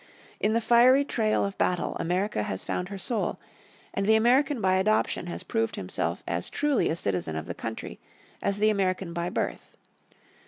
In the fiery trail of battle America has found her soul, and the American by adoption has proved himself as truly a citizen of the country as the American by birth.